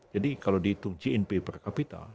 jadi kalau dihitung gnp per kapita